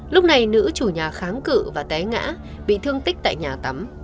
lúc này nữ chủ nhà kháng cự và té ngã bị thương tích tại nhà tắm